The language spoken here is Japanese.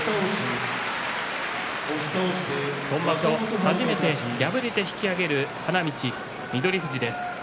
今場所、初めて敗れて引き揚げる花道翠富士です。